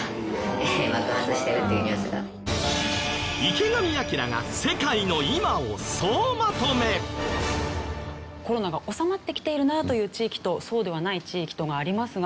池上彰がコロナが収まってきているなという地域とそうではない地域とがありますが。